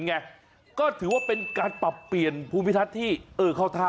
ไงก็ถือว่าเป็นการปรับเปลี่ยนภูมิทัศน์ที่เออเข้าท่า